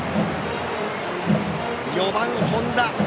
４番、本田。